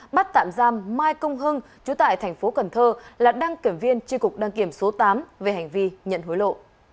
bắt tạm giam mai công hưng chủ tại tp cần thơ là đăng kiểm viên tri cục đăng kiểm số tám về hành vi nhận hối lộ